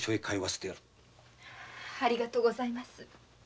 ありがとうございます。